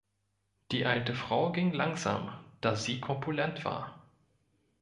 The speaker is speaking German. Die alte Frau ging langsam, da sie korpulent war.